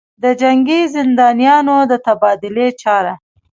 دجنګي زندانیانودتبادلې چاره